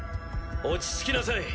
落ち着きなさい。